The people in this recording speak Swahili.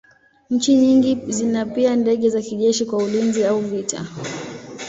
Nchi nyingi zina pia ndege za kijeshi kwa ulinzi au vita.